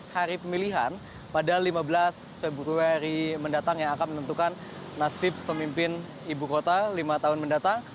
hari pemilihan pada lima belas februari mendatang yang akan menentukan nasib pemimpin ibu kota lima tahun mendatang